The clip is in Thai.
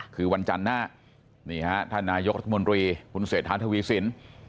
คือวันจันทร์หน้านี่ฮะท่านนายกรัฐมนตรีคุณเศรษฐาทวีสิน